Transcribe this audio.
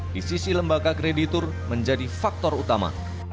di sisi lembaga kreditur menjadi faktor utama